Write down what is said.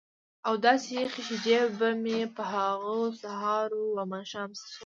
او داسې یخې شیدې به مې په هغو سهار و ماښام څښلې.